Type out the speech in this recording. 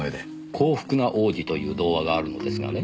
『幸福な王子』という童話があるのですがね。